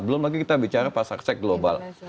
belum lagi kita bicara pasar seks global